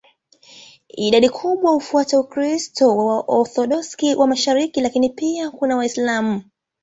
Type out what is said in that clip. Idadi kubwa hufuata Ukristo wa Waorthodoksi wa mashariki, lakini kuna Waislamu pia.